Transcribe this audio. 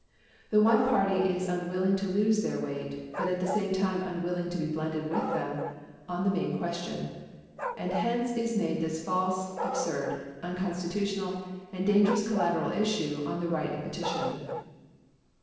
The one party is unwilling to lose their weight, but at the same time unwilling to be blended with them on the main question; and hence is made this false, absurd, unconstitutional, and dangerous collateral issue on the right of petition.